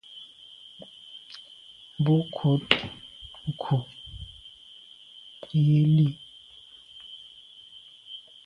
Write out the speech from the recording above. Bon nkùt nku yi li.